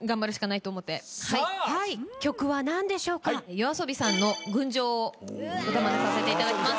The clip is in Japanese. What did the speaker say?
ＹＯＡＳＯＢＩさんの『群青』を歌まねさせていただきます。